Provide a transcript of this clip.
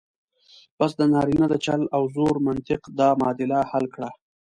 بس د نارینه د چل او زور منطق دا معادله حل کړه.